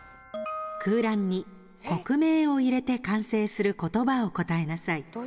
空欄に国名を入れて完成する言葉を答えなさい。